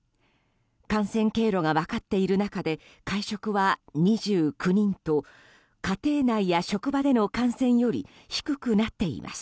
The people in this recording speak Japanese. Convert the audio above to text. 感染経路が分かっている中で会食は２９人と家庭内や職場での感染より低くなっています。